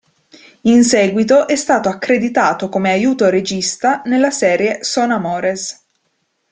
In seguito, è stato accreditato come aiuto regista nella serie "Son amores".